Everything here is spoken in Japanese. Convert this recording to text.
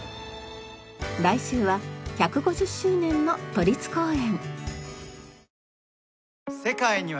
来週は「１５０周年の都立公園」。